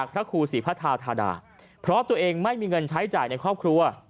ป่าธาธาดาเพราะตัวเองไม่มีเงินใช้จ่ายในครอบครัว